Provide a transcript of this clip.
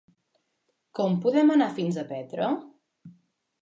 Com podem anar fins a Petra?